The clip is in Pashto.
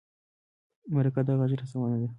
مرکه د غږ رسونه ده.